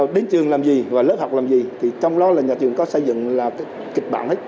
đến trường làm gì lớp học làm gì trong đó là nhà trường có xây dựng kịch bản hết